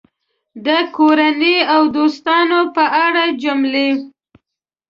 د کورنۍ او دوستانو په اړه جملې